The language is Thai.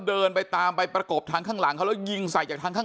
เดินไปตามไปประกบทางข้างหลังเขาแล้วยิงใส่จากทางข้าง